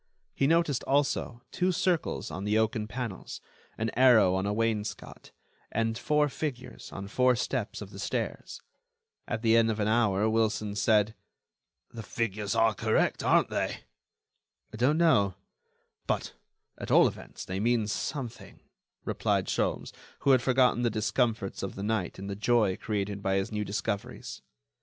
He noticed, also, two circles on the oaken panels, an arrow on a wainscot, and four figures on four steps of the stairs. At the end of an hour Wilson said: "The figures are correct, aren't they?" "I don't know; but, at all events, they mean something," replied Sholmes, who had forgotten the discomforts of the night in the joy created by his new discoveries.